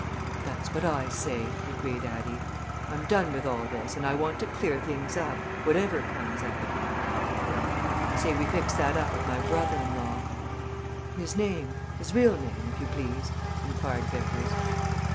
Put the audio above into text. "That's what I say," agreed Addie. "I'm done with all this and I want to clear things up, whatever comes of it. Well I say we fixed that up with my brother in law." "His name his real name, if you please," inquired Vickers.